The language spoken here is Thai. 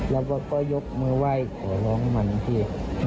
แล้วก็ยกมือไหว้ขอร้องมันพี่